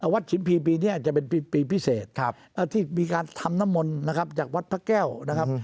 ชิมพีปีนี้อาจจะเป็นปีพิเศษที่มีการทำน้ำมนต์นะครับจากวัดพระแก้วนะครับ